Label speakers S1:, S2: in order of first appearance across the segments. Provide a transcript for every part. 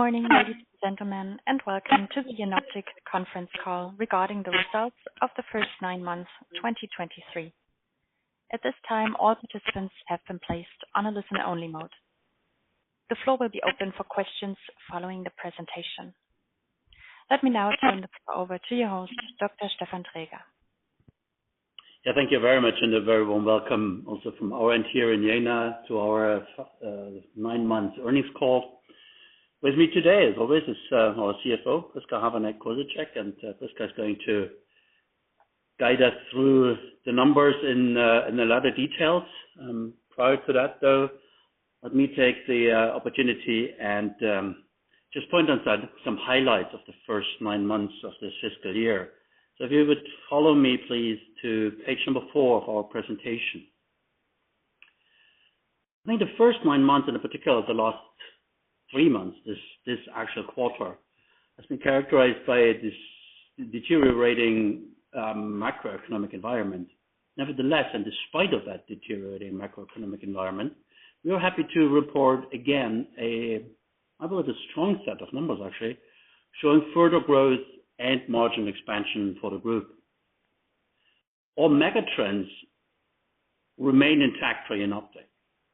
S1: Good morning, ladies and gentlemen, and welcome to the Jenoptik conference call regarding the results of the first nine months, 2023. At this time, all participants have been placed on a listen-only mode. The floor will be open for questions following the presentation. Let me now turn the floor over to your host, Dr. Stefan Traeger.
S2: Yeah, thank you very much, and a very warm welcome also from our end here in Jena to our nine-month earnings call. With me today, as always, is our CFO, Prisca Havranek-Kosicek, and Prisca is going to guide us through the numbers in a lot of details. Prior to that, though, let me take the opportunity and just point on some highlights of the first nine months of this fiscal year. So if you would follow me, please, to page number 4 of our presentation. I think the first nine months, and in particular, the last three months, this actual quarter, has been characterized by this deteriorating macroeconomic environment. Nevertheless, despite that deteriorating macroeconomic environment, we are happy to report, again, I believe, a strong set of numbers actually, showing further growth and margin expansion for the group. All mega trends remain intact for Jenoptik.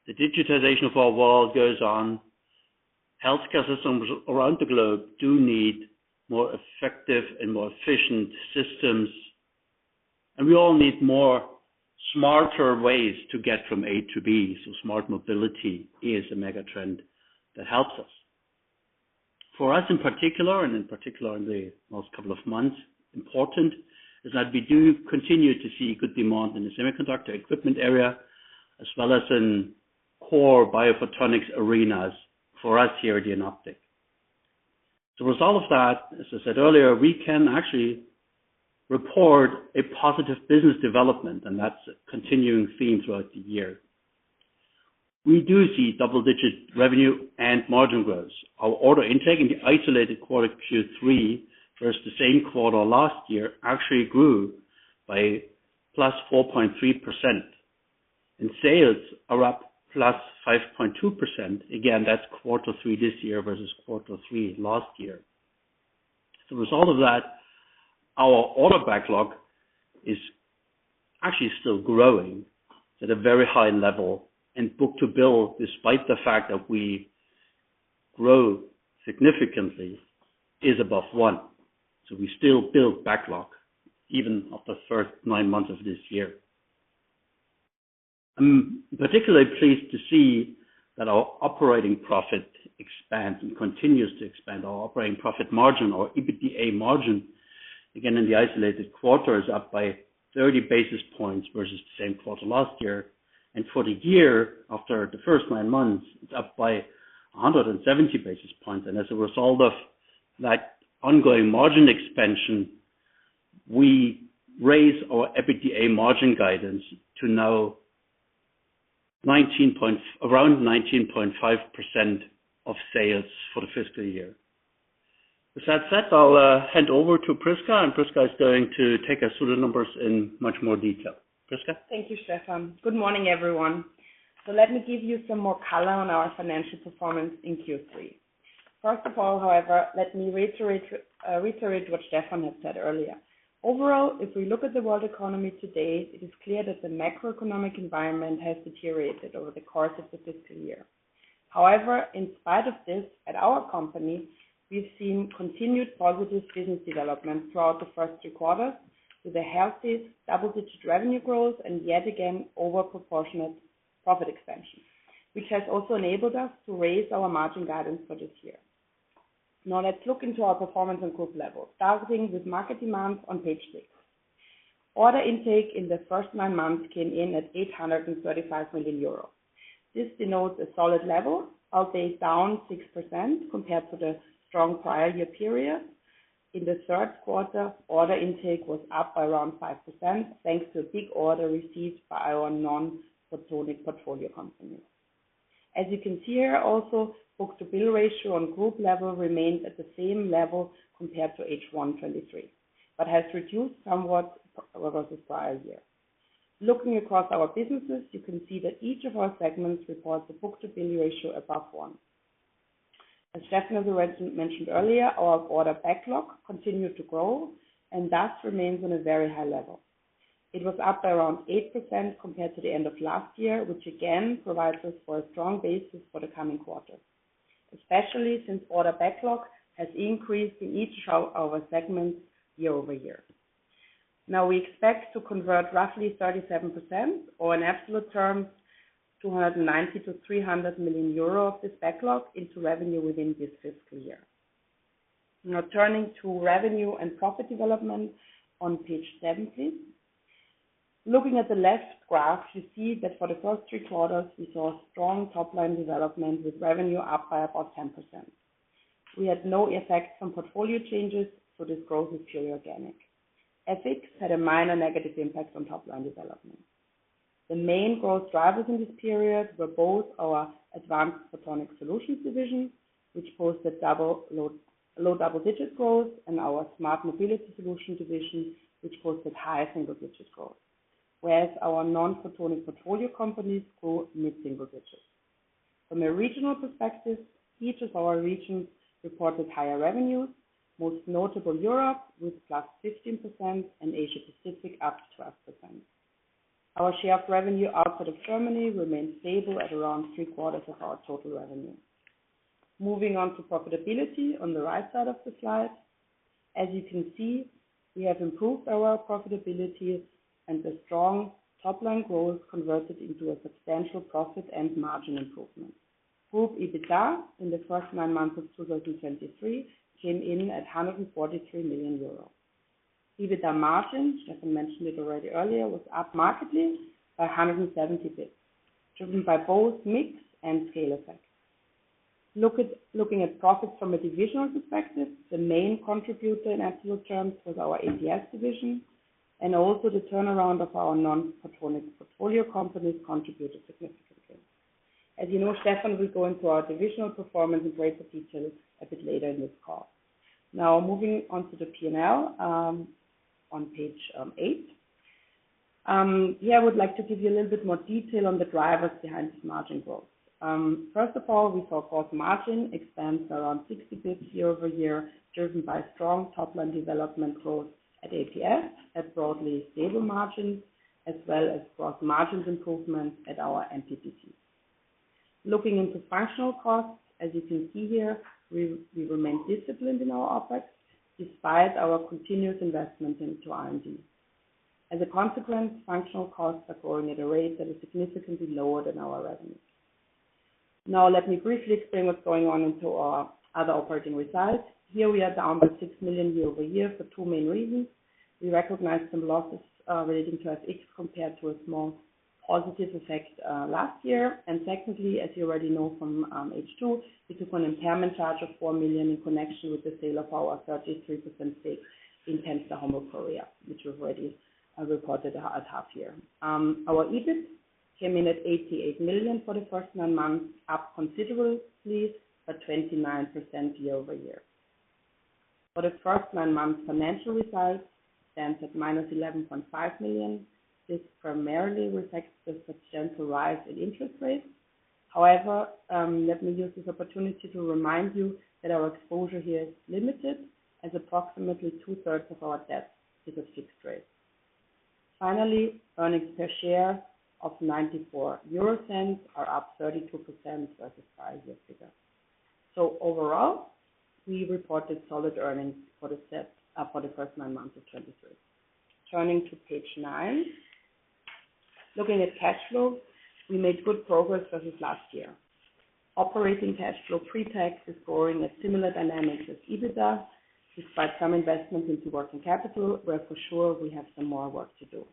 S2: The digitization of our world goes on. Healthcare systems around the globe do need more effective and more efficient systems, and we all need more smarter ways to get from A to B, so smart mobility is a mega trend that helps us. For us, in particular, and in particular in the last couple of months, important, is that we do continue to see good demand in the semiconductor equipment area, as well as in core biophotonics arenas for us here at Jenoptik. The result of that, as I said earlier, we can actually report a positive business development, and that's a continuing theme throughout the year. We do see double-digit revenue and margin growth. Our order intake in the isolated quarter, Q3, versus the same quarter last year, actually grew by +4.3%, and sales are up +5.2%. Again, that's Quarter three this year versus Quarter three last year. As a result of that, our order backlog is actually still growing at a very high level, and book-to-bill, despite the fact that we grow significantly, is above one. So we still build backlog even of the first nine months of this year. I'm particularly pleased to see that our operating profit expands and continues to expand. Our operating profit margin or EBITDA margin, again, in the isolated quarter, is up by 30 basis points versus the same quarter last year. For the year, after the first nine months, it's up by 170 basis points. As a result of that ongoing margin expansion, we raise our EBITDA margin guidance to now around 19.5% of sales for the fiscal year. With that said, I'll hand over to Prisca, and Prisca is going to take us through the numbers in much more detail. Prisca?
S3: Thank you, Stefan. Good morning, everyone. So let me give you some more color on our financial performance in Q3. First of all, however, let me reiterate what Stefan had said earlier. Overall, if we look at the world economy today, it is clear that the macroeconomic environment has deteriorated over the course of the fiscal year. However, in spite of this, at our company, we've seen continued positive business development throughout the first three quarters, with a healthy double-digit revenue growth and yet again, over proportionate profit expansion, which has also enabled us to raise our margin guidance for this year. Now, let's look into our performance on group level, starting with market demand on page six. Order intake in the first nine months came in at 835 million euros. This denotes a solid level, although it's down 6% compared to the strong prior year period. In the third quarter, order intake was up by around 5%, thanks to a big order received by our non-photonic portfolio company. As you can see here, also, book-to-bill ratio on group level remains at the same level compared to H1 2023, but has reduced somewhat over the prior year. Looking across our businesses, you can see that each of our segments reports a book-to-bill ratio above one. As Stefan has mentioned earlier, our order backlog continued to grow and thus remains on a very high level. It was up by around 8% compared to the end of last year, which again, provides us with a strong basis for the coming quarters, especially since order backlog has increased in each of our segments year-over-year. Now, we expect to convert roughly 37% or in absolute terms, 290 million-300 million euro of this backlog into revenue within this fiscal year. Now, turning to revenue and profit development on page 17. Looking at the left graph, you see that for the first three quarters, we saw a strong top-line development with revenue up by about 10%. We had no effect from portfolio changes, so this growth is purely organic. FX had a minor negative impact on top-line development. The main growth drivers in this period were both our Advanced Photonic Solutions division, which posted low double-digit growth, and our Smart Mobility Solutions division, which posted higher single-digit growth, whereas our Non-Photonic Portfolio Companies grew mid-single digits. From a regional perspective, each of our regions reported higher revenues, most notable Europe, with plus 15%, and Asia Pacific, up 12%. Our share of revenue outside of Germany remained stable at around three quarters of our total revenue. Moving on to profitability on the right side of the slide. As you can see, we have improved our profitability, and the strong top-line growth converted into a substantial profit and margin improvement. Group EBITDA, in the first nine months of 2023, came in at 143 million euros. EBITDA margin, Stefan mentioned it already earlier, was up markedly by 170 basis points, driven by both mix and scale effect. Looking at profits from a divisional perspective, the main contributor in absolute terms was our APS division, and also the turnaround of our non-photonic portfolio companies contributed significantly. As you know, Stefan will go into our divisional performance in greater detail a bit later in this call. Now, moving on to the P&L, on page 8. Here, I would like to give you a little bit more detail on the drivers behind this margin growth. First of all, we saw gross margin expands around 60 basis points year-over-year, driven by strong top-line development growth at APS, at broadly stable margin, as well as gross margins improvement at our NPC. Looking into functional costs, as you can see here, we remain disciplined in our OpEx, despite our continuous investment into R&D. As a consequence, functional costs are growing at a rate that is significantly lower than our revenue. Now, let me briefly explain what's going on into our other operating results. Here we are down by 6 million year-over-year for two main reasons. We recognized some losses relating to FX compared to a small positive effect last year. And secondly, as you already know from H2, we took an impairment charge of 4 million in connection with the sale of our 33% stake in Templesa, which we've already reported at half year. Our EBIT came in at 88 million for the first nine months, up considerably by 29% year-over-year. For the first nine months, financial results stands at -11.5 million. This primarily reflects the substantial rise in interest rates. However, let me use this opportunity to remind you that our exposure here is limited, as approximately two-thirds of our debt is a fixed rate. Finally, earnings per share of 0.94 are up 32% versus 5 years ago. So overall, we reported solid earnings for the set, for the first 9 months of 2023. Turning to page 9. Looking at cash flow, we made good progress versus last year. Operating cash flow pre-tax is growing at similar dynamics as EBITDA, despite some investment into working capital, where for sure, we have some more work to do.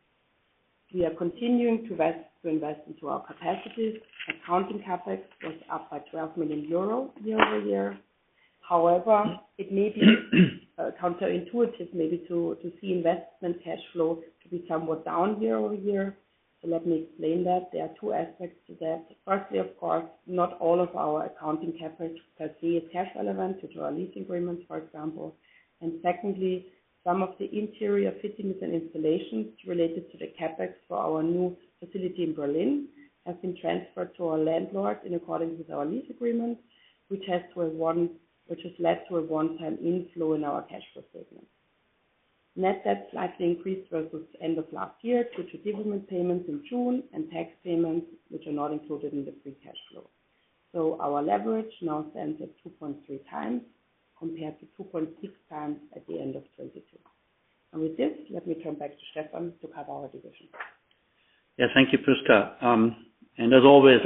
S3: We are continuing to invest, to invest into our capacities, and accounting CapEx was up by 12 million euro year-over-year. However, it may be, counterintuitive maybe to, to see investment cash flow to be somewhat down year-over-year. So let me explain that. There are two aspects to that. Firstly, of course, not all of our accounting CapEx per se, is cash relevant due to our lease agreements, for example. And secondly, some of the interior fittings and installations related to the CapEx for our new facility in Berlin have been transferred to our landlord in accordance with our lease agreement, which has led to a one-time inflow in our cash flow statement. Net debt slightly increased versus end of last year, due to dividend payments in June and tax payments, which are not included in the free cash flow. Our leverage now stands at 2.3 times compared to 2.6 times at the end of 2022. With this, let me turn back to Stefan to cover our divisions.
S2: Yeah, thank you, Prisca. And as always,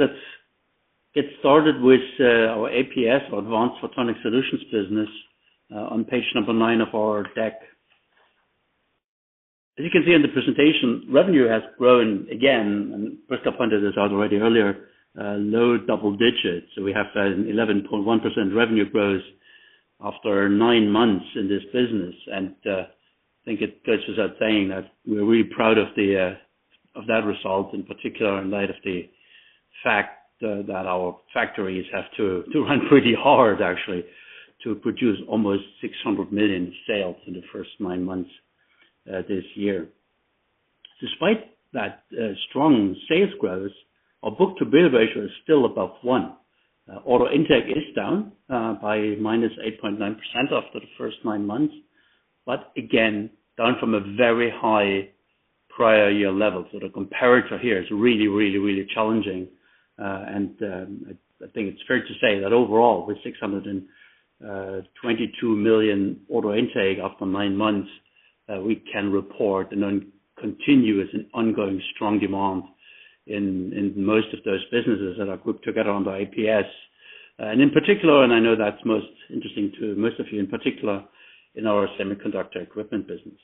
S2: let's get started with our APS or Advanced Photonic Solutions business on page number nine of our deck. As you can see in the presentation, revenue has grown again, and Prisca pointed this out already earlier, low double digits. So we have 11.1% revenue growth after nine months in this business, and I think it goes without saying that we're really proud of that result, in particular, in light of the fact that our factories have to run pretty hard actually, to produce almost 600 million in sales in the first nine months this year. Despite that strong sales growth, our book-to-bill ratio is still above one. Order intake is down by -8.9% after the first 9 months, but again, down from a very high prior year level. So the comparator here is really, really, really challenging. I think it's fair to say that overall, with 622 million order intake after 9 months, we can report a continuous and ongoing strong demand in most of those businesses that are grouped together under APS. And in particular, and I know that's most interesting to most of you, in particular, in our semiconductor equipment business.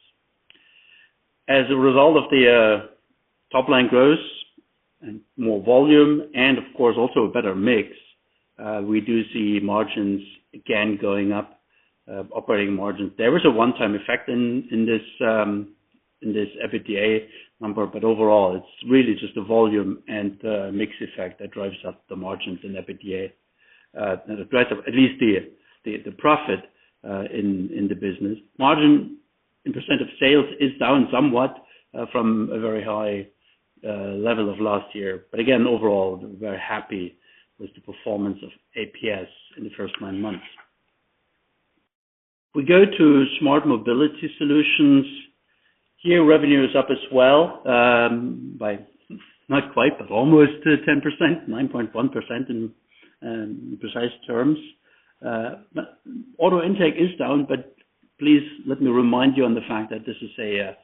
S2: As a result of top-line growth and more volume, and of course, also a better mix, we do see margins again going up, operating margins. There is a one-time effect in this EBITDA number, but overall, it's really just the volume and mix effect that drives up the margins in EBITDA. The growth of at least the profit in the business. Margin in percent of sales is down somewhat from a very high level of last year. But again, overall, we're very happy with the performance of APS in the first nine months. We go to Smart Mobility Solutions. Here, revenue is up as well by not quite, but almost 10%, 9.1% in precise terms. But order intake is down, but please let me remind you on the fact that this is a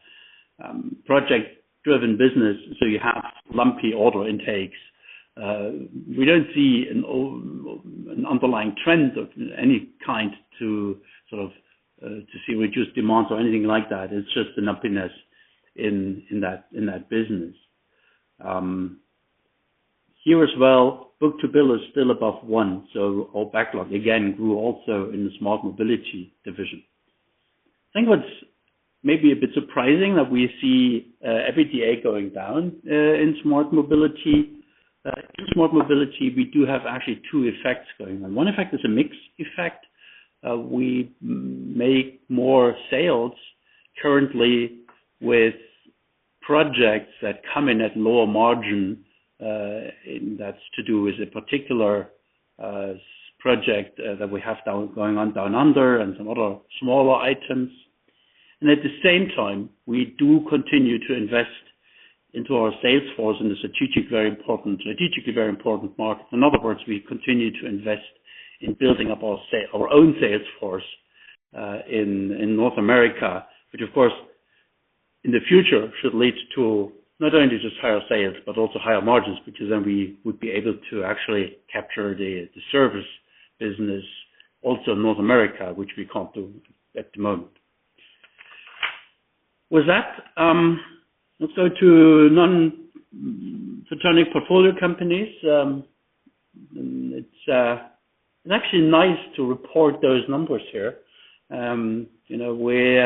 S2: project-driven business, so you have lumpy order intakes. We don't see an underlying trend of any kind to sort of to see reduced demands or anything like that. It's just an unevenness in that business. Here as well, book-to-bill is still above one, so our backlog again grew also in the Smart Mobility division. I think what's maybe a bit surprising that we see EBITDA going down in Smart Mobility. In Smart Mobility, we do have actually two effects going on. One effect is a mix effect. We make more sales currently with projects that come in at lower margin, and that's to do with a particular project that we have going on down under and some other smaller items. And at the same time, we do continue to invest into our sales force in a strategic, very important, strategically very important market. In other words, we continue to invest in building up our sales force in North America, which, of course, in the future, should lead to not only just higher sales, but also higher margins, because then we would be able to actually capture the service business also in North America, which we can't do at the moment. With that, let's go to Non-Photonic Portfolio Companies. It's actually nice to report those numbers here. You know, we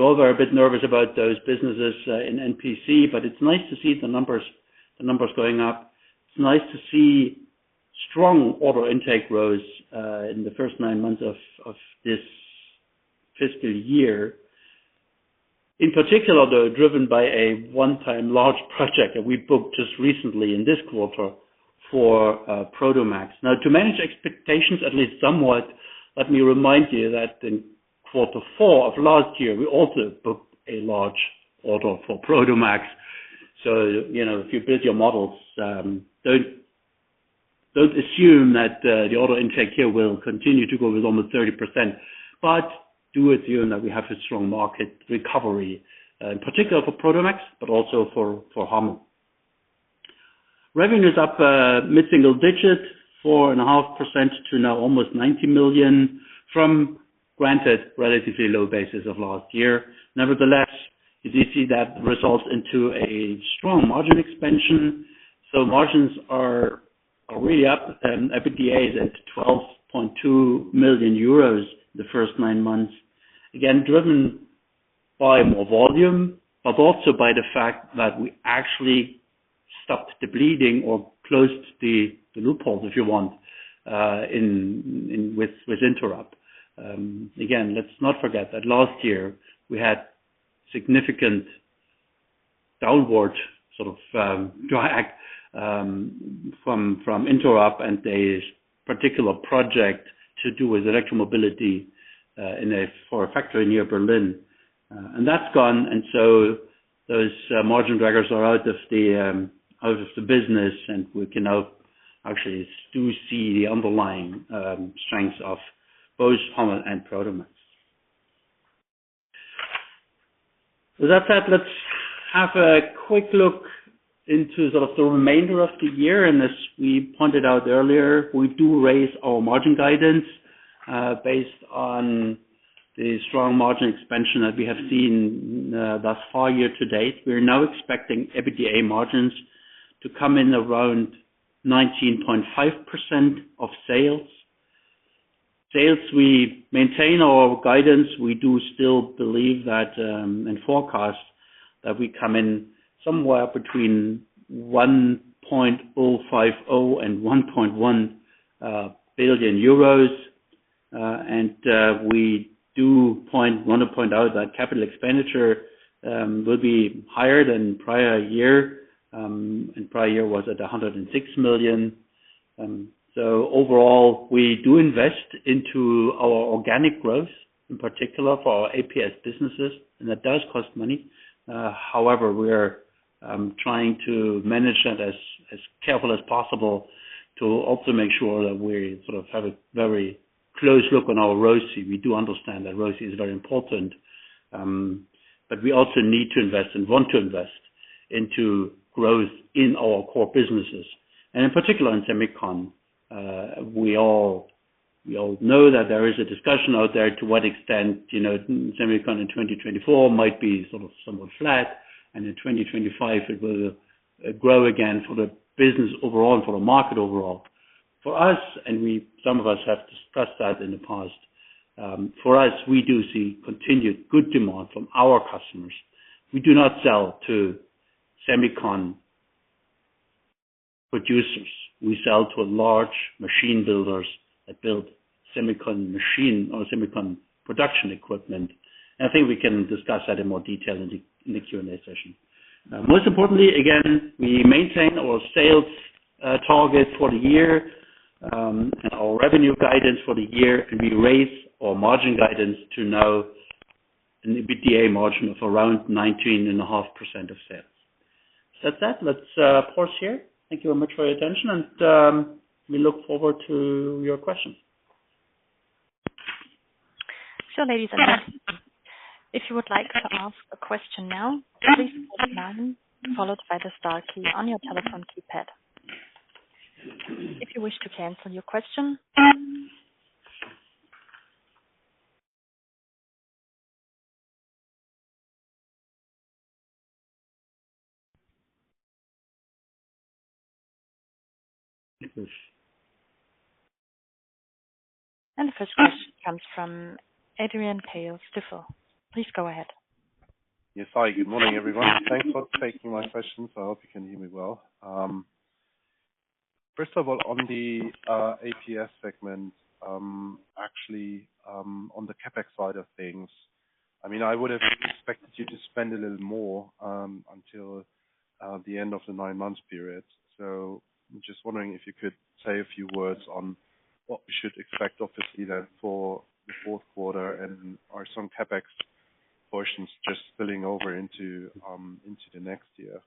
S2: all were a bit nervous about those businesses in NPC, but it's nice to see the numbers going up. It's nice to see strong order intake growth, in the first nine months of, of this fiscal year. In particular, they were driven by a one-time large project that we booked just recently in this quarter for, Prodomax. Now, to manage expectations, at least somewhat, let me remind you that in quarter four of last year, we also booked a large order for Prodomax. So, you know, if you build your models, don't, don't assume that, the order intake here will continue to go with almost 30%, but do assume that we have a strong market recovery, in particular for Prodomax, but also for, for Hommel. Revenue is up, mid-single digits, 4.5% to now almost 90 million from, granted, relatively low basis of last year. Nevertheless, you do see that results into a strong margin expansion. So margins are really up, and EBITDA is at 12.2 million euros the first nine months, again, driven by more volume, but also by the fact that we actually stopped the bleeding or closed the loopholes, if you want, in with INTEROB. Again, let's not forget that last year we had significant downward sort of drag from INTEROB and a particular project to do with electromobility in for a factory near Berlin. And that's gone, and so those margin draggers are out of the business, and we can now actually do see the underlying strengths of both Hommel and Prodomax. With that said, let's have a quick look into sort of the remainder of the year. As we pointed out earlier, we do raise our margin guidance, based on the strong margin expansion that we have seen, thus far year to date. We are now expecting EBITDA margins to come in around 19.5% of sales. Sales, we maintain our guidance. We do still believe that, in forecast, that we come in somewhere between 1.05 billion-1.1 billion euros. And we do want to point out that capital expenditure will be higher than prior year, and prior year was at 106 million. So overall, we do invest into our organic growth, in particular for our APS businesses, and that does cost money. However, we're trying to manage that as carefully as possible to also make sure that we sort of have a very close look on our ROCE. We do understand that ROCE is very important, but we also need to invest and want to invest into growth in our core businesses, and in particular in Semiconductor. We all know that there is a discussion out there to what extent, you know, Semiconductor in 2024 might be sort of somewhat flat, and in 2025 it will grow again for the business overall, and for the market overall. For us, and some of us have discussed that in the past, for us, we do see continued good demand from our customers. We do not sell to semicon producers. We sell to a large machine builders that build semicon machine or semicon production equipment. I think we can discuss that in more detail in the Q&A session. Most importantly, again, we maintain our sales target for the year, and our revenue guidance for the year, and we raise our margin guidance to now an EBITDA margin of around 19.5% of sales. That said, let's pause here. Thank you very much for your attention, and we look forward to your questions.
S1: So ladies and gentlemen, if you would like to ask a question now, please press nine, followed by the star key on your telephone keypad. If you wish to cancel your question. The first question comes from Adrian Pehl, Stifel. Please go ahead.
S4: Yes. Hi, good morning, everyone. Thanks for taking my question. So I hope you can hear me well. First of all, on the, APS segment, actually, on the CapEx side of things, I mean, I would have expected you to spend a little more, until, the end of the nine-month period. So I'm just wondering if you could say a few words on what we should expect, obviously, then, for the fourth quarter, and are some CapEx portions just spilling over into, into the next year?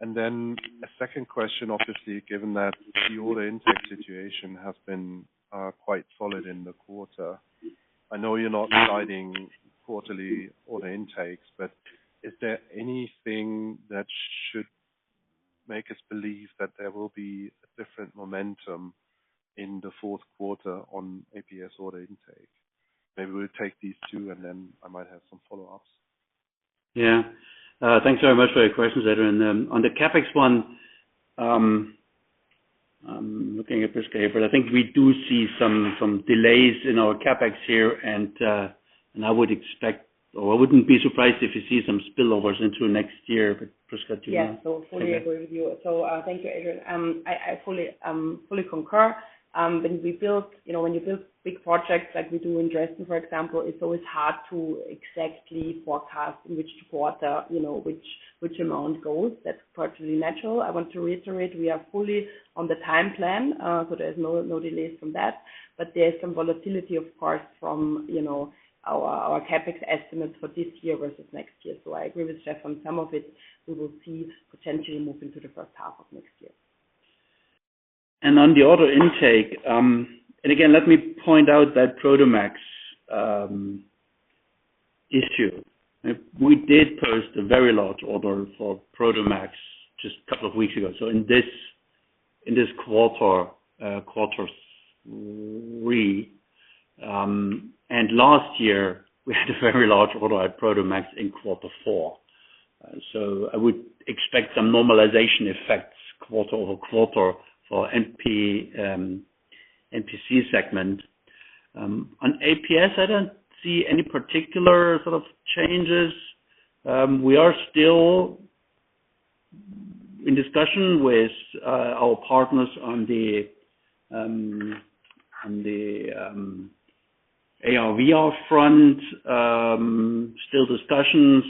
S4: And then a second question, obviously, given that the order intake situation has been, quite solid in the quarter. I know you're not guiding quarterly order intakes, but is there anything that should make us believe that there will be a different momentum in the fourth quarter on APS order intake? Maybe we'll take these two, and then I might have some follow-ups.
S2: Yeah. Thanks very much for your questions, Adrian. On the CapEx one, I'm looking at Prisca, but I think we do see some, some delays in our CapEx here, and, and I would expect, or I wouldn't be surprised if you see some spillovers into next year, but Prisca.
S3: Yes, so fully agree with you. So, thank you, Adrian. I fully concur. When we build, you know, when you build big projects like we do in Dresden, for example, it's always hard to exactly forecast in which quarter, you know, which amount goes. That's partially natural. I want to reiterate, we are fully on the time plan, so there's no delays from that. But there is some volatility, of course, from, you know, our CapEx estimates for this year versus next year. So I agree with Jeff, on some of it, we will see potentially move into the first half of next year.
S2: On the order intake, and again, let me point out that Prodomax issue. We did post a very large order for Prodomax just a couple of weeks ago. So in this quarter, quarter three, and last year, we had a very large order at Prodomax in quarter four. So I would expect some normalization effects quarter-over-quarter for NPC segment. On APS, I don't see any particular sort of changes. We are still in discussion with our partners on the ARVR front. Still discussions,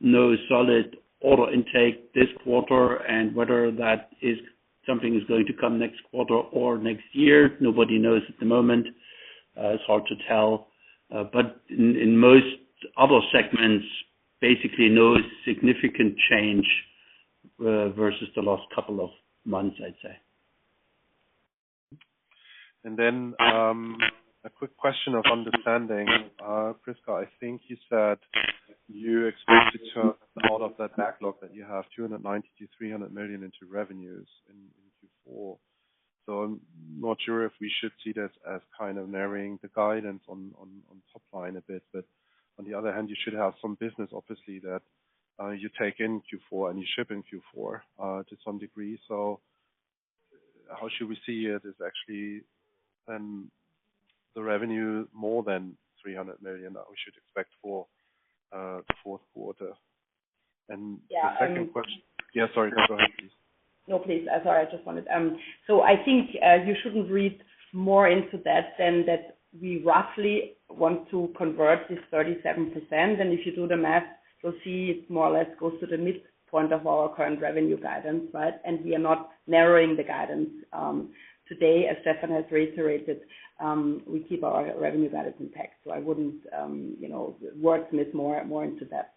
S2: no solid order intake this quarter, and whether that is something is going to come next quarter or next year, nobody knows at the moment. It's hard to tell, but in most other segments, basically no significant change versus the last couple of months, I'd say.
S4: And then, a quick question of understanding. Prisca, I think you said you expect to turn all of that backlog that you have, 290-300 million into revenues in Q4. So I'm not sure if we should see this as kind of narrowing the guidance on top line a bit, but on the other hand, you should have some business, obviously, that you take in Q4 and you ship in Q4 to some degree. So how should we see it is actually the revenue more than 300 million that we should expect for the fourth quarter?
S3: Yeah.
S4: The second question. Yeah, sorry. Go ahead, please.
S3: No, please. Sorry, I just wanted... So I think you shouldn't read more into that than that we roughly want to convert this 37%. And if you do the math, you'll see it more or less goes to the midpoint of our current revenue guidance, right? And we are not narrowing the guidance. Today, as Stefan has reiterated, we keep our revenue guidance intact, so I wouldn't, you know, wordsmith more, more into that,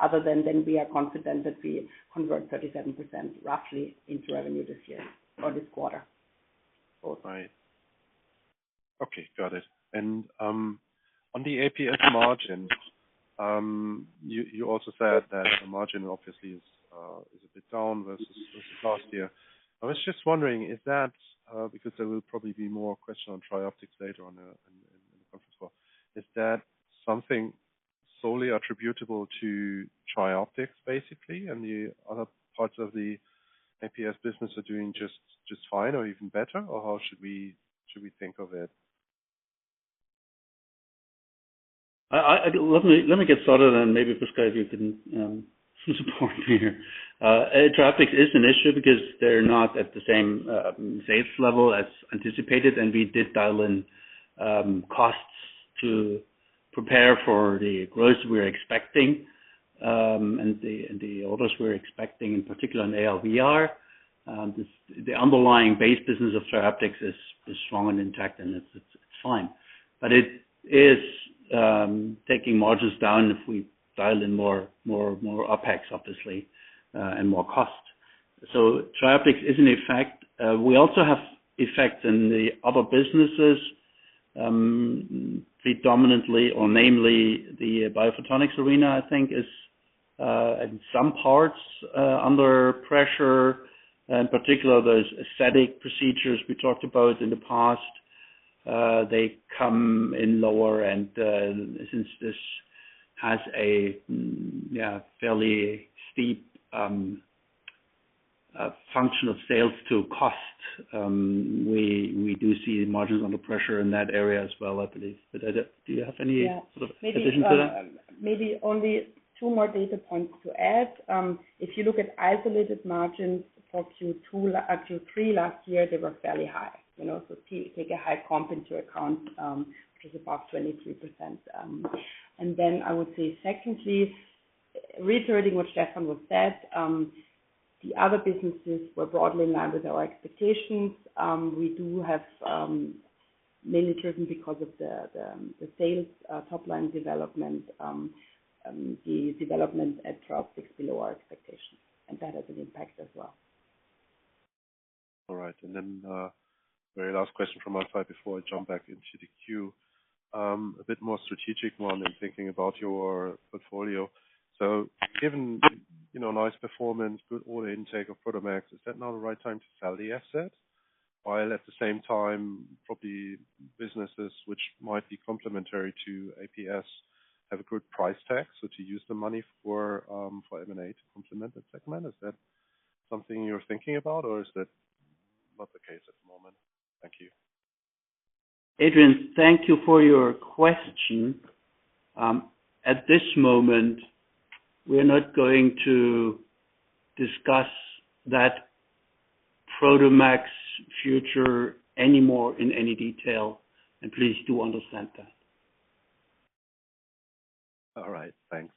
S3: other than, than we are confident that we convert 37% roughly into revenue this year or this quarter.
S4: All right. Okay, got it. And on the APS margin, you also said that the margin obviously is a bit down versus last year. I was just wondering, is that because there will probably be more question on TRIOPTICS later on in the conference call, is that something solely attributable to TRIOPTICS, basically, and the other parts of the APS business are doing just fine or even better, or how should we think of it?...
S2: Let me get started, and maybe, Prisca, if you can support me here. Air traffic is an issue because they're not at the same sales level as anticipated, and we did dial in costs to prepare for the growth we're expecting, and the orders we're expecting, in particular in AR/VR. The underlying base business of TRIOPTICS is strong and intact, and it's fine. But it is taking margins down if we dial in more OpEx, obviously, and more cost. So TRIOPTICS is in effect. We also have effects in the other businesses, predominantly, or namely, the biophotonics arena, I think, is in some parts under pressure. In particular, those aesthetic procedures we talked about in the past, they come in lower end, since this has a yeah, fairly steep function of sales to cost, we, we do see the margins under pressure in that area as well, I believe. But I d- do you have any-
S3: Yeah.
S2: Sort of addition to that?
S3: Maybe only two more data points to add. If you look at isolated margins for Q2, Q3 last year, they were fairly high. You know, so take a high comp into account, which is about 23%. And then I would say, secondly, reiterating what Stefan just said, the other businesses were broadly in line with our expectations. We do have, mainly driven because of the sales top-line development, the development at TRIOPTICS below our expectations, and that has an impact as well.
S4: All right. And then, very last question from my side before I jump back into the queue. A bit more strategic one in thinking about your portfolio. So given, you know, nice performance, good order intake of Prodomax, is that not the right time to sell the asset? While at the same time, probably businesses which might be complementary to APS have a good price tag, so to use the money for, for M&A to complement the segment, is that something you're thinking about, or is that not the case at the moment? Thank you.
S2: Adrian, thank you for your question. At this moment, we're not going to discuss that Prodomax future anymore in any detail, and please do understand that.
S4: All right. Thanks.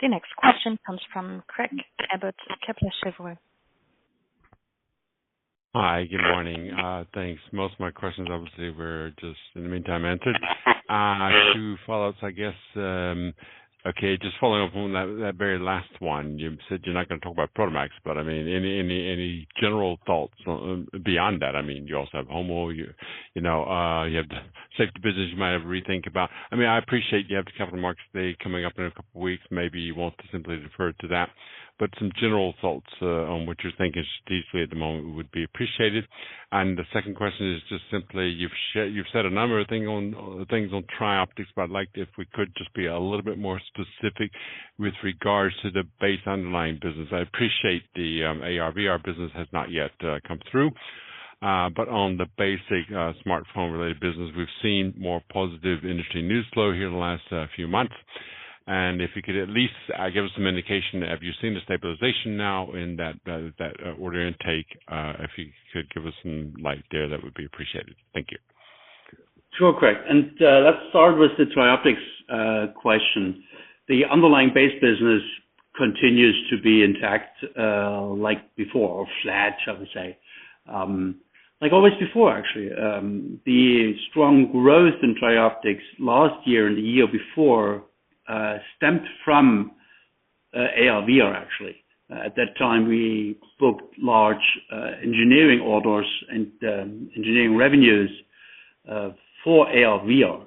S1: The next question comes from Craig Abbott, Kepler Cheuvreux.
S5: Hi, good morning. Thanks. Most of my questions, obviously, were just in the meantime, answered. Two follow-ups, I guess. Okay, just following up on that, that very last one. You said you're not going to talk about Prodomax, but, I mean, any, any, any general thoughts, beyond that? I mean, you also have Hommel, you, you know, you have the safety business you might have to rethink about. I mean, I appreciate you have the Capital Markets Day coming up in a couple of weeks. Maybe you want to simply refer to that, but some general thoughts, on what you're thinking strategically at the moment would be appreciated. And the second question is just simply, you've said a number of things on TRIOPTICS, but I'd like if we could just be a little bit more specific with regards to the base underlying business. I appreciate the AR/VR business has not yet come through, but on the basic smartphone-related business, we've seen more positive industry news flow here in the last few months. And if you could at least give us some indication, have you seen the stabilization now in that that order intake? If you could give us some light there, that would be appreciated. Thank you.
S2: Sure, Craig. And, let's start with the TRIOPTICS question. The underlying base business continues to be intact, like before, or flat, shall we say. Like always before, actually, the strong growth in TRIOPTICS last year and the year before stemmed from AR/VR, actually. At that time, we booked large engineering orders and engineering revenues for AR/VR.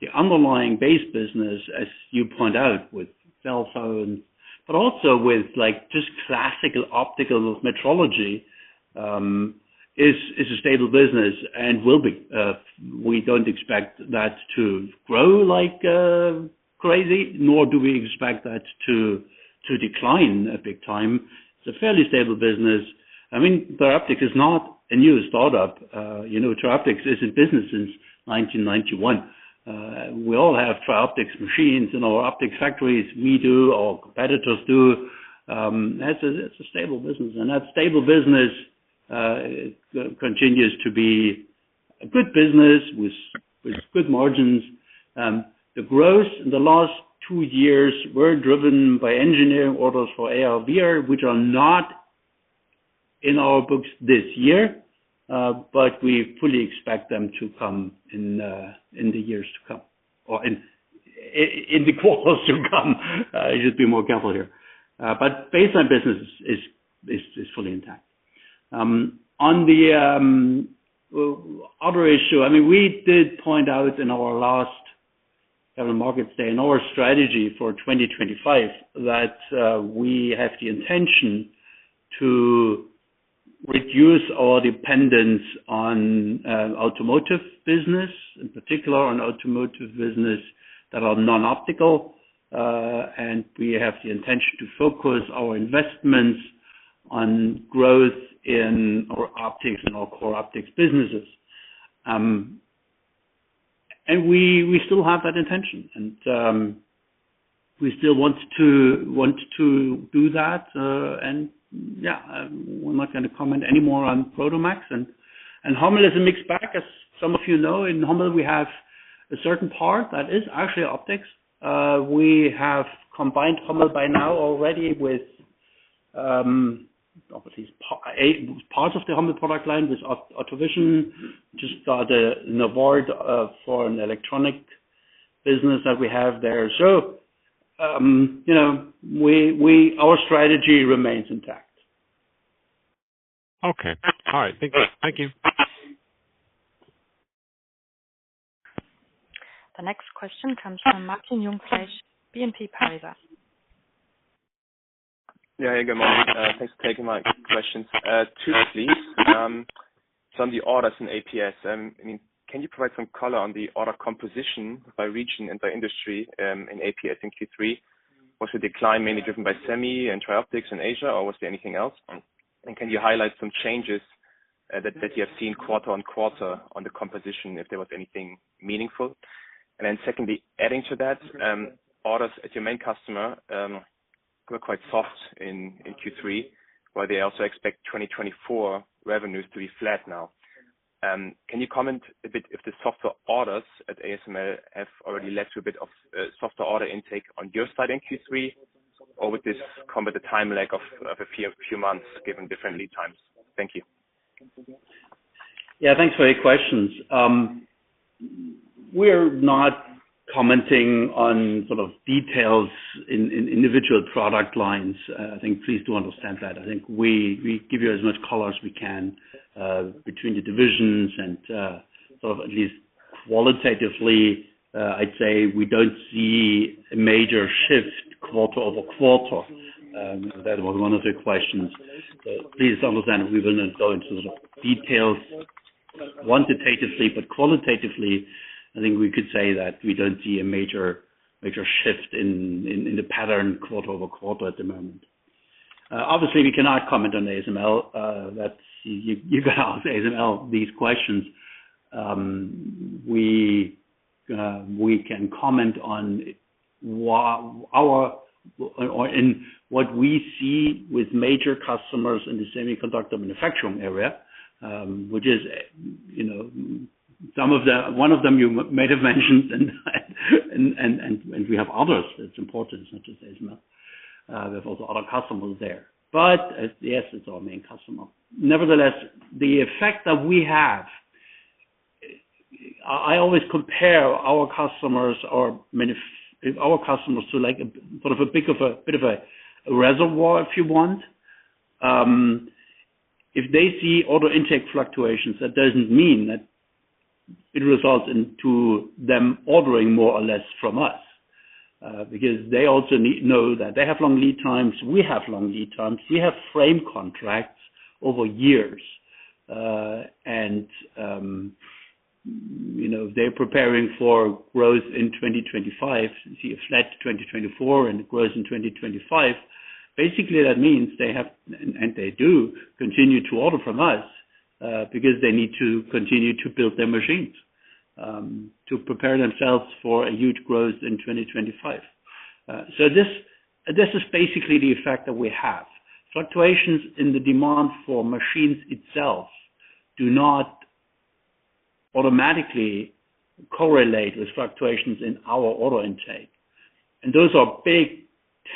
S2: The underlying base business, as you point out, with cellphone, but also with, like, just classical optical metrology, is a stable business and will be. We don't expect that to grow like crazy, nor do we expect that to decline a big time. It's a fairly stable business. I mean, TRIOPTICS is not a new startup. You know, TRIOPTICS is in business since 1991. We all have TRIOPTICS machines in our optics factories. We do, our competitors do. That's a stable business, and that stable business continues to be a good business with good margins. The growth in the last two years were driven by engineering orders for AR/VR, which are not in our books this year, but we fully expect them to come in in the years to come, or in the quarters to come, just be more careful here. But baseline business is fully intact. On the other issue, I mean, we did point out in our last Capital Markets Day and our strategy for 2025, that we have the intention to reduce our dependence on automotive business, in particular on automotive business that are non-optical, and we have the intention to focus our investments-... on growth in our optics and our core optics businesses. We still have that intention and we still want to do that, and yeah, I'm not going to comment any more on Prodomax. Hommel is a mixed bag. As some of you know, in Hommel, we have a certain part that is actually optics. We have combined Hommel by now already with obviously a part of the Hommel product line with OTTO Vision, just got an award for an electronic business that we have there. So you know, our strategy remains intact.
S5: Okay. All right. Thank you.
S1: The next question comes from Martin Jungfleisch, BNP Paribas.
S6: Yeah, good morning. Thanks for taking my questions. Two, please. From the orders in APS, I mean, can you provide some color on the order composition by region and by industry in APS in Q3? Was the decline mainly driven by Semi and TRIOPTICS in Asia, or was there anything else? And can you highlight some changes that you have seen quarter-over-quarter on the composition, if there was anything meaningful? And then secondly, adding to that, ASML as your main customer were quite soft in Q3, while they also expect 2024 revenues to be flat now. Can you comment a bit if the softer orders at ASML have already led to a bit of softer order intake on your side in Q3, or would this come at a time lag of a few months, given different lead times? Thank you.
S2: Yeah, thanks for your questions. We're not commenting on sort of details in individual product lines. I think please do understand that. I think we give you as much color as we can between the divisions and sort of at least qualitatively, I'd say we don't see a major shift quarter-over-quarter. That was one of the questions. But please understand, we will not go into the details quantitatively, but qualitatively, I think we could say that we don't see a major shift in the pattern quarter-over-quarter at the moment. Obviously, we cannot comment on the ASML, that you can ask ASML these questions. We can comment on what we see with major customers in the semiconductor manufacturing area, which is, you know, some of them. One of them you may have mentioned, and we have others that's important, such as ASML. There's also other customers there. But yes, it's our main customer. Nevertheless, the effect that we have, I always compare our customers or our customers to, like, sort of a bit of a reservoir, if you want. If they see order intake fluctuations, that doesn't mean that it results into them ordering more or less from us, because they also need to know that they have long lead times, we have long lead times. We have frame contracts over years. You know, if they're preparing for growth in 2025, see a flat 2024 and growth in 2025, basically that means they have, and they do, continue to order from us, because they need to continue to build their machines, to prepare themselves for a huge growth in 2025. So this is basically the effect that we have. Fluctuations in the demand for machines itself do not automatically correlate with fluctuations in our order intake. And those are big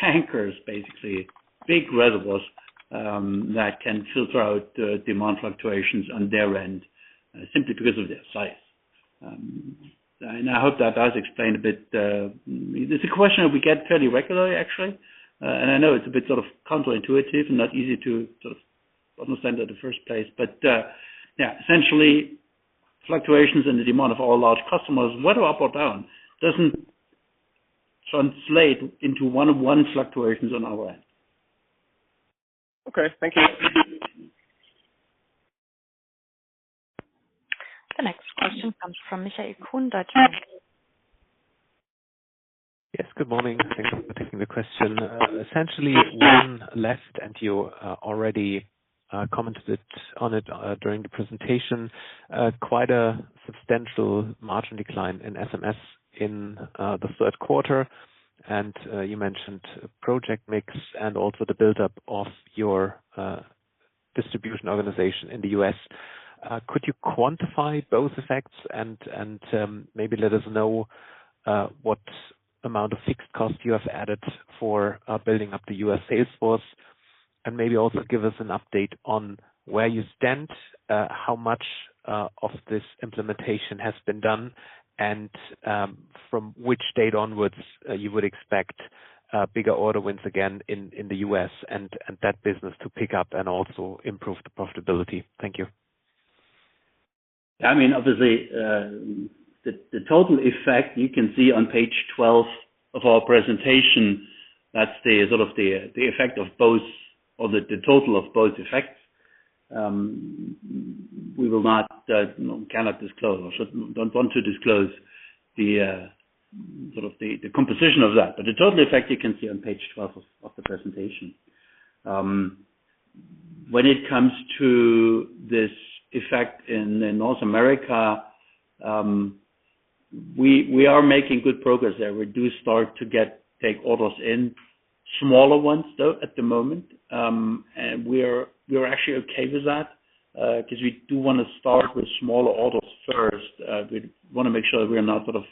S2: tankers, basically, big reservoirs, that can filter out the demand fluctuations on their end, simply because of their size. And I hope that does explain a bit... It's a question that we get fairly regularly, actually, and I know it's a bit sort of counterintuitive and not easy to sort of understand in the first place. But, yeah, essentially, fluctuations in the demand of our large customers, whether up or down, doesn't translate into one-on-one fluctuations on our end.
S6: Okay, thank you.
S1: The next question comes from Michael Kundert.
S7: Yes, good morning. Thank you for taking the question. Essentially, one last, and you already commented on it during the presentation. Quite a substantial margin decline in SMS in the third quarter, and you mentioned project mix and also the buildup of your distribution organization in the US. Could you quantify both effects and maybe let us know what amount of fixed cost you have added for building up the US sales force? And maybe also give us an update on where you stand, how much of this implementation has been done, and from which date onwards you would expect bigger order wins again in the US and that business to pick up and also improve the profitability. Thank you.
S2: I mean, obviously, the total effect you can see on page 12 of our presentation. That's sort of the effect of both or the total of both effects. We cannot disclose or don't want to disclose the sort of the composition of that. But the total effect you can see on page 12 of the presentation. When it comes to this effect in North America, we are making good progress there. We do start to take orders in, smaller ones, though, at the moment. And we're actually okay with that, 'cause we do want to start with smaller orders first. We want to make sure that we are not sort of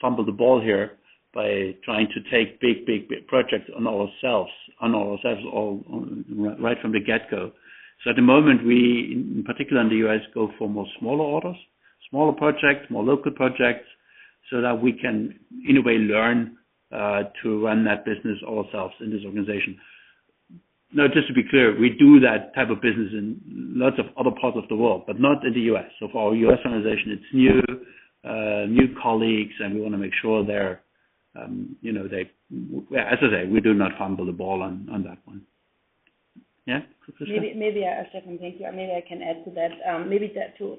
S2: fumble the ball here by trying to take big, big, big projects on ourselves, on ourselves, all right from the get-go. So at the moment, we, in particular in the U.S., go for more smaller orders, smaller projects, more local projects, so that we can, in a way, learn to run that business ourselves in this organization. Now, just to be clear, we do that type of business in lots of other parts of the world, but not in the U.S. So for our U.S. organization, it's new, new colleagues, and we want to make sure they're, you know, they as I say, we do not fumble the ball on, on that one. Yeah, Patricia?
S3: Maybe, maybe I have something. Thank you. Maybe I can add to that. Maybe that to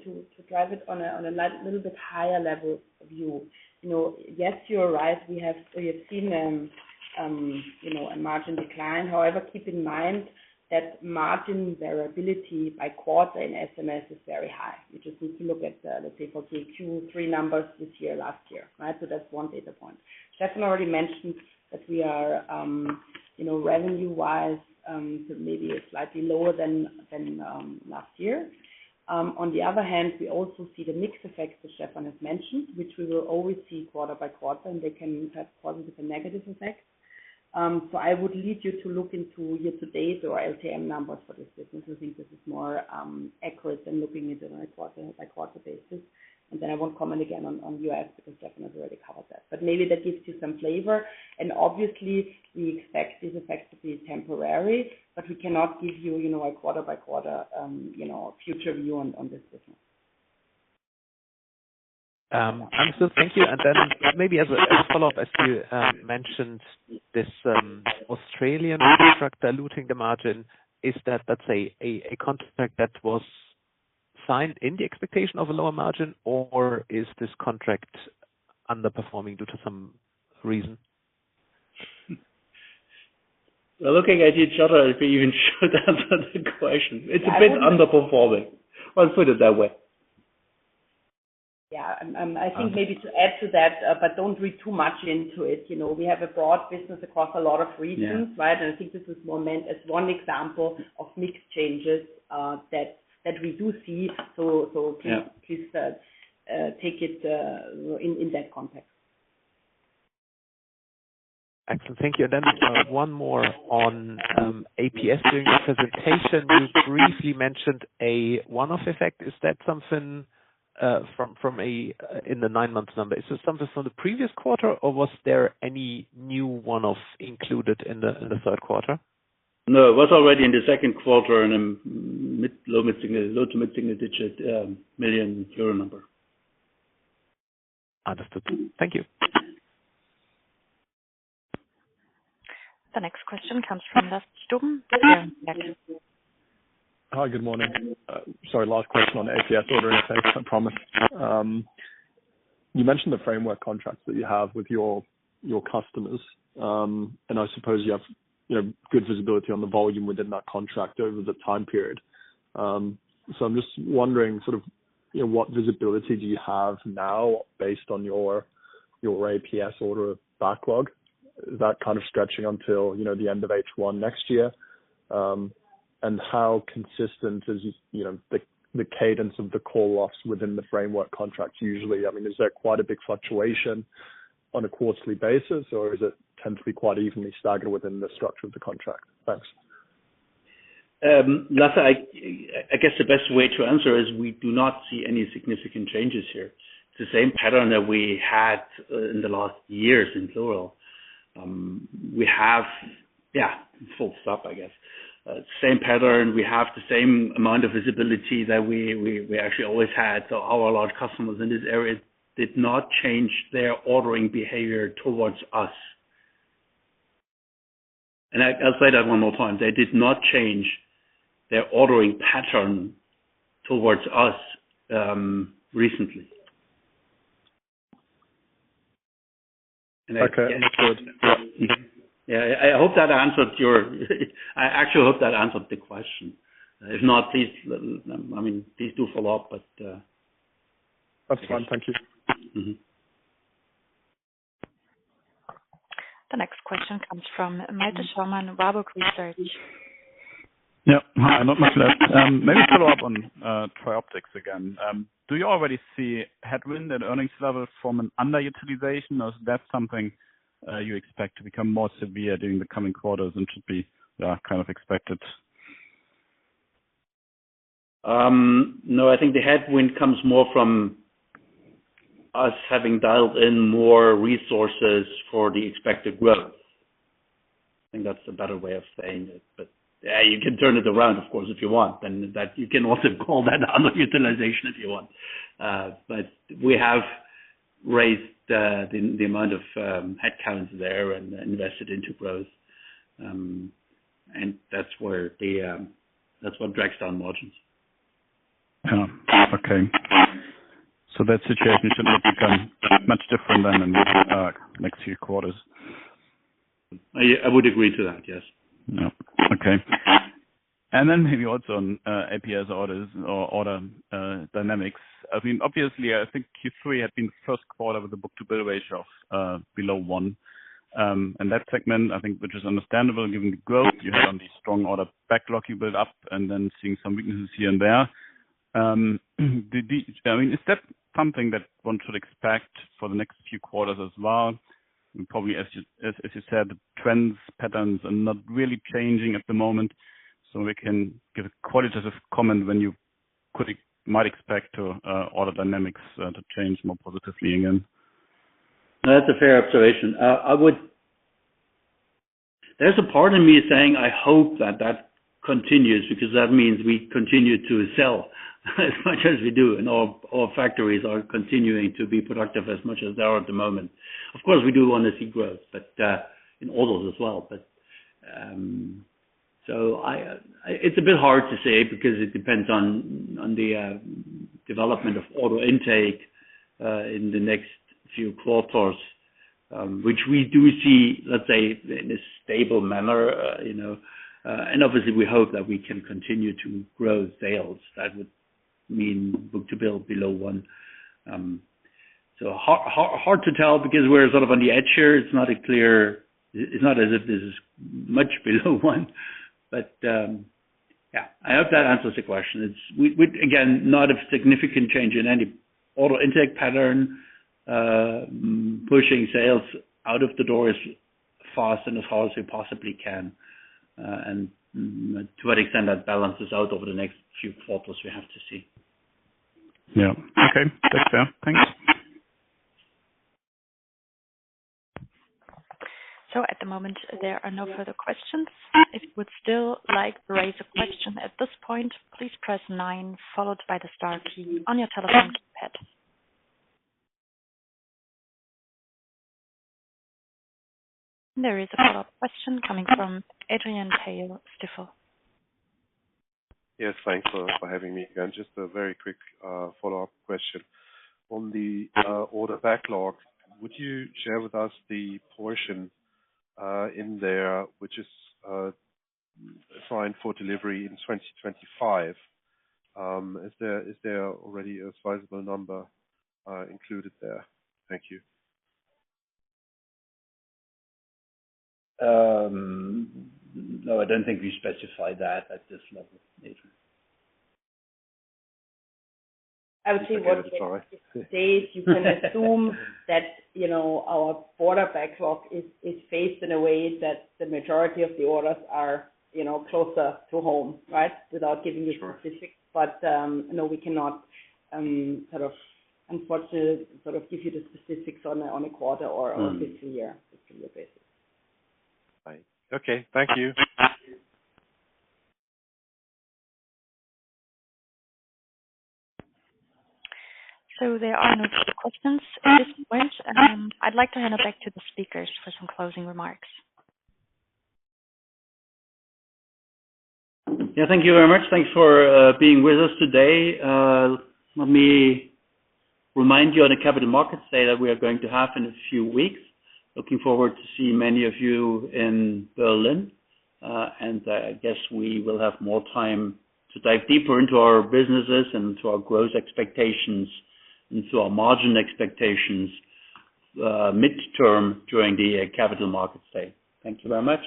S3: drive it on a little bit higher level view. You know, yes, you are right. We have, we have seen, you know, a margin decline. However, keep in mind that margin variability by quarter in SMS is very high, which is if you look at, the table 2, 3 numbers this year, last year, right? So that's one data point. Stefan already mentioned that we are, you know, revenue-wise, maybe slightly lower than last year. On the other hand, we also see the mix effects that Stefan has mentioned, which we will always see quarter by quarter, and they can have positive and negative effects. So I would lead you to look into year to date or LTM numbers for this business. We think this is more accurate than looking into the quarter by quarter basis. And then I won't comment again on US, because Stefan has already covered that. But maybe that gives you some flavor. And obviously, we expect this effect to be temporary, but we cannot give you, you know, a quarter by quarter, you know, future view on this business.
S7: Thank you. Then maybe as a follow-up, as you mentioned, this Australian contractor diluting the margin, is that, let's say, a contract that was signed in the expectation of a lower margin, or is this contract underperforming due to some reason?
S2: We're looking at each other, if we even should answer the question. It's a bit underperforming. I'll put it that way.
S3: I think maybe to add to that, but don't read too much into it. You know, we have a broad business across a lot of regions-
S2: Yeah.
S3: -right? And I think this is more meant as one example of mixed changes that we do see. So,
S2: Yeah...
S3: please, take it, in that context.
S7: Excellent, thank you. And then just one more on APS. During your presentation, you briefly mentioned a one-off effect. Is that something from the nine-month number? Is it something from the previous quarter, or was there any new one-off included in the third quarter?
S2: No, it was already in the second quarter, and low- to mid-single-digit EUR million number.
S7: Understood. Thank you.
S1: The next question comes from Nastub.
S8: Hi, good morning. Sorry, last question on the APS order, I promise. You mentioned the framework contracts that you have with your customers. I suppose you have, you know, good visibility on the volume within that contract over the time period. So I'm just wondering, sort of, you know, what visibility do you have now based on your APS order backlog, that kind of stretching until, you know, the end of H1 next year? And how consistent is, you know, the cadence of the call-offs within the framework contracts usually? I mean, is there quite a big fluctuation on a quarterly basis, or is it tends to be quite evenly staggered within the structure of the contract? Thanks.
S2: I guess the best way to answer is we do not see any significant changes here. It's the same pattern that we had in the last years in plural. We have full stop, I guess. Same pattern, we have the same amount of visibility that we actually always had. So our large customers in this area did not change their ordering behavior towards us. And I'll say that one more time. They did not change their ordering pattern towards us recently.
S8: Okay, good.
S2: Yeah, I hope that answered your... I actually hope that answered the question. If not, please, I mean, please do follow up, but,
S8: That's fine. Thank you.
S2: Mm-hmm.
S1: The next question comes from Meta Sherman, Warburg Research.
S9: Yeah. Hi, not much left. Maybe follow up on, TRIOPTICS again. Do you already see headwind and earnings levels from an underutilization, or is that something you expect to become more severe during the coming quarters and should be kind of expected?
S2: No, I think the headwind comes more from us having dialed in more resources for the expected growth. I think that's a better way of saying it, but, yeah, you can turn it around, of course, if you want, then that you can also call that underutilization if you want. But we have raised the amount of headcounts there and invested into growth. And that's where that's what drags down margins....
S9: Yeah. Okay. So that situation should not become much different than in the next few quarters?
S2: I would agree to that. Yes.
S9: Yeah. Okay. And then maybe also on APS orders or order dynamics. I mean, obviously, I think Q3 had been the first quarter with the book-to-bill ratio of below one. And that segment, I think, which is understandable, given the growth you have on the strong order backlog you build up, and then seeing some weaknesses here and there. I mean, is that something that one should expect for the next few quarters as well? And probably, as you, as, as you said, the trends, patterns are not really changing at the moment, so we can give a qualitative comment when you could, might expect to order dynamics to change more positively again.
S2: That's a fair observation. There's a part of me saying, I hope that that continues because that means we continue to sell as much as we do, and our factories are continuing to be productive as much as they are at the moment. Of course, we do want to see growth, but in orders as well. But so I, it's a bit hard to say because it depends on the development of order intake in the next few quarters, which we do see, let's say, in a stable manner, you know, and obviously we hope that we can continue to grow sales. That would mean book-to-bill below one. So hard to tell because we're sort of on the edge here. It's not a clear... It's not as if this is much below one, but, yeah, I hope that answers the question. It's-- Again, not a significant change in any order intake pattern, pushing sales out of the door as fast and as hard as we possibly can, and to what extent that balances out over the next few quarters, we have to see.
S9: Yeah. Okay. Makes sense. Thanks.
S1: At the moment, there are no further questions. If you would still like to raise a question at this point, please press nine, followed by the star key on your telephone keypad. There is a follow-up question coming from Adrian Hale, Stifel.
S4: Yes, thanks for having me again. Just a very quick follow-up question. On the order backlog, would you share with us the portion in there which is signed for delivery in 2025? Is there already a sizable number included there? Thank you.
S2: No, I don't think we specify that at this level, Adrian.
S3: I would say that-
S4: That's all right.
S3: You can assume that, you know, our order backlog is faced in a way that the majority of the orders are, you know, closer to home, right? Without giving you-
S4: Sure.
S3: - specifics. But no, we cannot sort of, unfortunately, sort of give you the specifics on a quarter or this year, to be basic.
S4: Right. Okay. Thank you.
S1: There are no further questions at this point, and I'd like to hand it back to the speakers for some closing remarks.
S2: Yeah, thank you very much. Thanks for being with us today. Let me remind you of the Capital Markets Day that we are going to have in a few weeks. Looking forward to see many of you in Berlin, and I guess we will have more time to dive deeper into our businesses and to our growth expectations, into our margin expectations, midterm during the Capital Markets Day. Thank you very much.